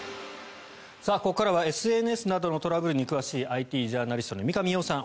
ここからはＳＮＳなどのトラブルに詳しいＩＴジャーナリストの三上洋さん